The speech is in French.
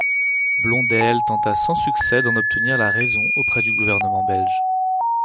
Blondeel tenta sans succès d'en obtenir la raison auprès du gouvernement belge.